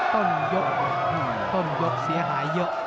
ต้นยกต้นยกเสียหายเยอะ